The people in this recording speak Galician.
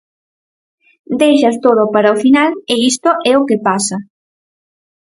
Deixas todo para o final e isto é o que pasa.